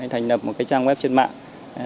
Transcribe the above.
thành lập một trang web trên mạng